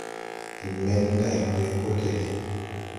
Ndi men nday wee ko télé.